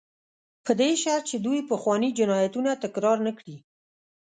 په دې شرط چې دوی پخواني جنایتونه تکرار نه کړي.